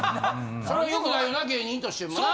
それは良くないよな芸人としてもな。